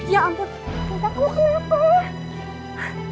ya ampun mbak